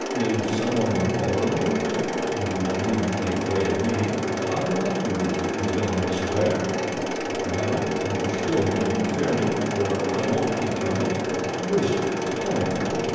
"Is someone following you? You needn't be afraid of me. I'll help you if you've been on the square. If you haven't, you still needn't fear me, for I won't peach on you. What is it? Tell me."